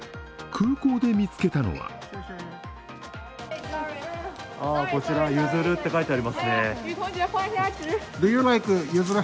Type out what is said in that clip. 空港で見つけたのはこちら、ＹＵＺＵＲＵって書いてありますね。